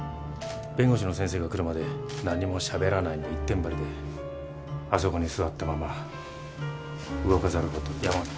弁護士の先生が来るまで何もしゃべらないの一点張りであそこに座ったまま動かざることや。